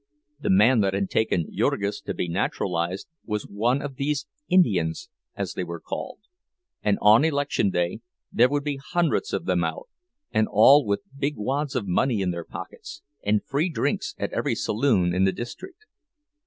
The man that had taken Jurgis to be naturalized was one of these "Indians," as they were called; and on election day there would be hundreds of them out, and all with big wads of money in their pockets and free drinks at every saloon in the district.